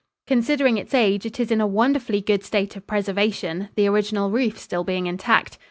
Considering its age, it is in a wonderfully good state of preservation, the original roof still being intact.